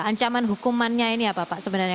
ancaman hukumannya ini apa pak sebenarnya